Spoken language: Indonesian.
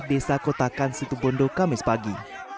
desa kotakan situbondo kamis pagi